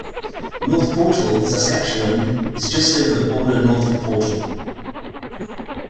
North Portal, Saskatchewan is just over the border north of Portal.